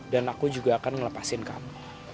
dan aku juga akan ngelepasin kamu